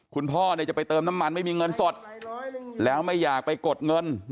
คุณพ่อจะไปเติมน้ำมันไม่มีเงินสดแล้วไม่อยากไปกดเงิน